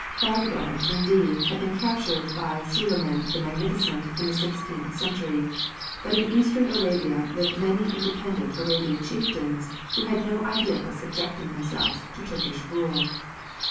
Bagdad, indeed, had been captured by Suleiman the Magnificent in the sixteenth century, but in eastern Arabia lived many independent Arabian chieftains who had no idea of subjecting themselves to Turkish rule.